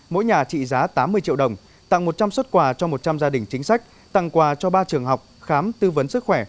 mỗi nhà trị giá tám mươi triệu đồng tặng một trăm linh xuất quà cho một trăm linh gia đình chính sách tặng quà cho ba trường học khám tư vấn sức khỏe